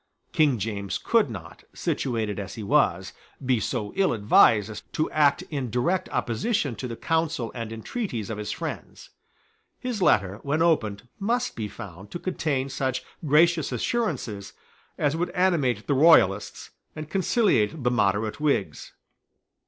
King James could not, situated as he was, be so ill advised as to act in direct opposition to the counsel and entreaties of his friends. His letter, when opened, must be found to contain such gracious assurances as would animate the royalists and conciliate the moderate Whigs.